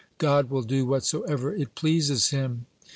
God will do whatsoever it pleases Him."